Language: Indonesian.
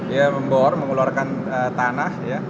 itu membor mengeluarkan tanah